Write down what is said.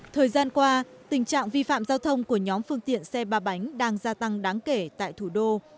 thời gian qua tình trạng vi phạm giao thông của nhóm phương tiện xe ba bánh đang gia tăng đáng kể tại thủ đô